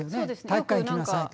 体育館行きなさいとか。